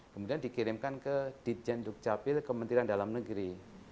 kemudian dikirimkan ke dijenduk capil kementerian dalam negeri